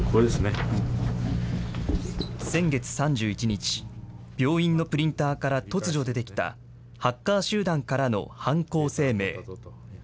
先月３１日、病院のプリンターから突如出てきた、ハッカー集団からの犯行声明。